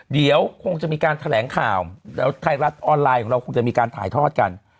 เดี๋ยวคงจะมีการแถลงข่าวแล้วไทยรัฐออนไลน์ของเราคงจะมีการถ่ายทอดกัน